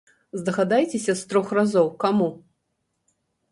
Здагадайцеся з трох разоў, каму?